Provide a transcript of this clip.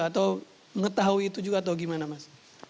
atau mengetahui itu juga atau gimana mas